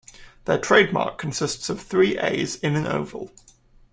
Their trademark consists of three As in an oval.